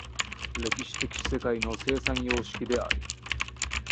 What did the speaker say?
歴史的世界の生産様式である。